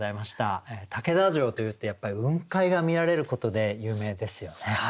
竹田城というとやっぱり雲海が見られることで有名ですよね。